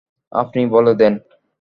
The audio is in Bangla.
আপনি বলে দেন।